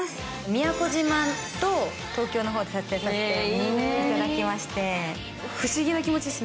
宮古島と東京の方で撮影させていただきまして不思議な気持ちです。